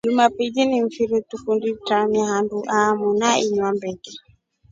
Jumapili ni mfiri tukundi itramia handu ami na inya mbeke.